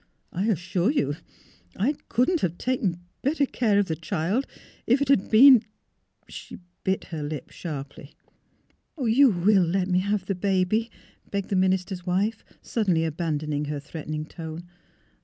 " I assure you I couldn't have taken better care of the child if it had been " She bit her lip sharply. " You will let me have the baby," begged the minister's wife, suddenly abandoning her threat ening tone.